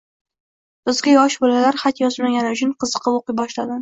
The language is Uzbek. Bizga yosh bolalar xat yozmagani uchun qiziqib o`qiy boshladim